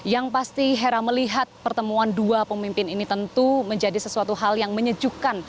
yang pasti hera melihat pertemuan dua pemimpin ini tentu menjadi sesuatu hal yang menyejukkan